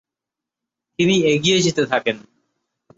তিনি এগিয়ে যেতে থাকেন।